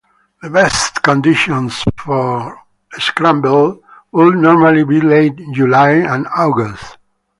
The best conditions for scrambling would normally be late July and August.